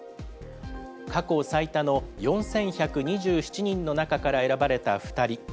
過去最多の４１２７人の中から選ばれた２人。